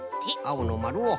あおのまるを。